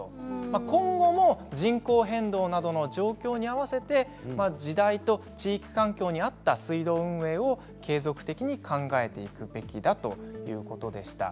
今後も人口変動などの状況に合わせて時代と地域環境に合った水道運営を継続的に考えていくべきだということでした。